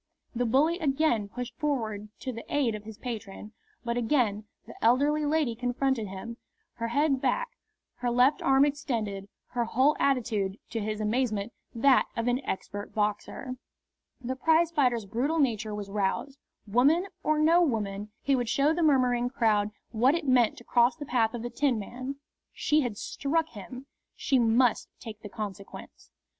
The bully again pushed forward to the aid of his patron, but again the elderly lady confronted him, her head back, her left arm extended, her whole attitude, to his amazement, that of an expert boxer. The prizefighter's brutal nature was roused. Woman or no woman, he would show the murmuring crowd what it meant to cross the path of the Tinman. She had struck him. She must take the consequence.